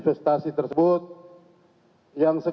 kami tidak keberanian